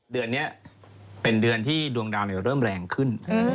เดือนนี้เป็นเดือนที่ดวงดาวเริ่มแรงขึ้น